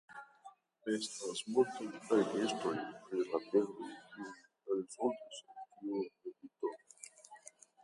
Estas multaj registroj pri la perdoj kiuj rezultis el tiu milito.